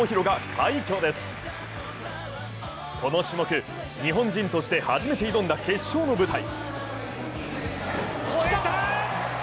この種目、日本人として初めて挑んだ決勝の舞台。